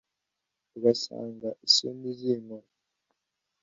Ugasanga isoni zinkora